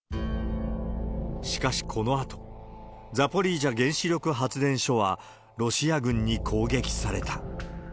しかしこのあと、ザポリージャ原子力発電所は、ロシア軍に攻撃された。